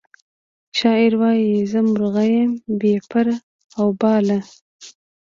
شاعر وایی زه مرغه یم بې پر او باله